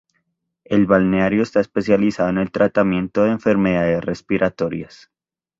El balneario está especializado en el tratamiento de enfermedades respiratorias.